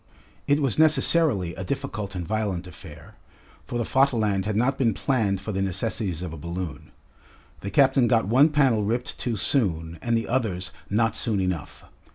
It was necessarily a difficult and violent affair, for the Vaterland had not been planned for the necessities of a balloon. The captain got one panel ripped too soon and the others not soon enough.